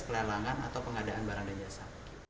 pelelangan atau pengadaan barang dan jasa